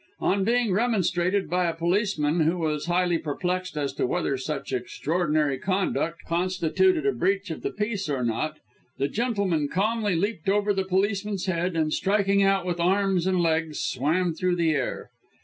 On being remonstrated with by a policeman, who was highly perplexed as to whether such extraordinary conduct constituted a breach of the peace or not, the gentleman calmly leaped over the policeman's head, and striking out with arms and legs swam through the air.